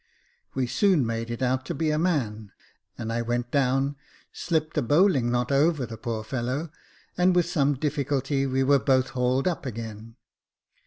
We soon made it out to be a man, and I went down, slipped a bowling knot over the poor fellow, and with some difficulty we were both hauled up again.